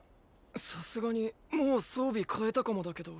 さすがにもう装備替えたかもだけど。